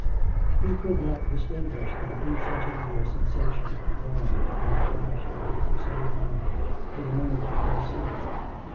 He could now distinguish the instantaneous sensation of wrong that had flashed on his excited mind in the moment of his sinning....